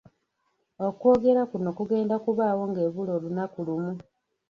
Okwogera kuno kugenda kubaawo ng’ebula olunaku lumu